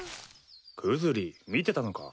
クズリ見てたのか。